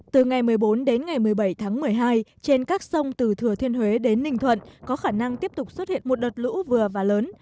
từ ngày một mươi bốn đến ngày một mươi bảy tháng một mươi hai trên các sông từ thừa thiên huế đến ninh thuận có khả năng tiếp tục xuất hiện một đợt lũ vừa và lớn